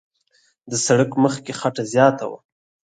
د سړک مخ کې خټه زیاته وه.